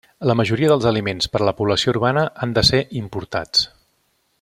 La majoria dels aliments per a la població urbana han de ser importats.